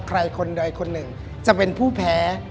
ใครคนใดคนหนึ่งจะเป็นผู้แพ้